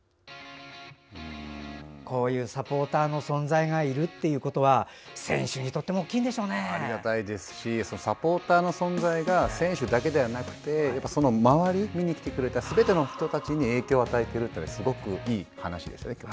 こういうサポーターの存在があるってことは選手にとってもありがたいですしサポーターの存在が選手だけではなくてその周り、見に来てくれたすべての人たちに影響を与えているというのはすごいいい話。